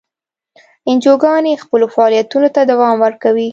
انجیوګانې خپلو فعالیتونو ته دوام ورکوي.